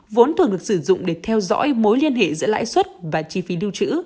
vốn thường được sử dụng để theo dõi mối liên hệ giữa lãi suất và chi phí lưu trữ